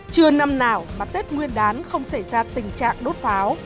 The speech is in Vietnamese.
chưa năm nào mà tết nguyên đán không xảy ra tình trạng đốt pháo